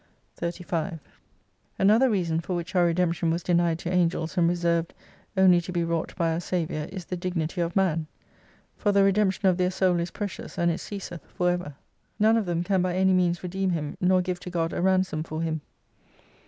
35 Another reason for which our Redemption was denied to Angels and reserved only to be wrought by our Saviour, is the dignity of Man \ for the redemption of their Soul is precious and it ceaseth for ever. None of them can b) io6 any means redeem him, nor give to God a ransom for him.